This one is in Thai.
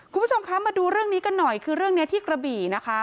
คุณผู้ชมคะมาดูเรื่องนี้กันหน่อยคือเรื่องนี้ที่กระบี่นะคะ